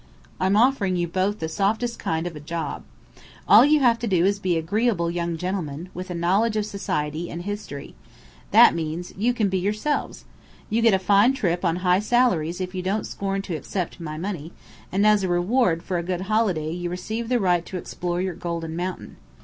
I'm offering you both the softest kind of job. All you have to do is to be agreeable young gentlemen, with a knowledge of society, and history; that means, you can be yourselves. You get a fine trip on high salaries if you don't scorn to accept my money; and as a reward for a good holiday you receive the right to explore your golden mountain.